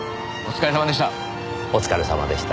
お疲れさまでした。